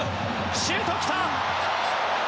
シュート来た！